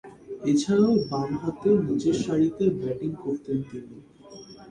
এছাড়াও, বামহাতে নিচেরসারিতে ব্যাটিং করতেন তিনি।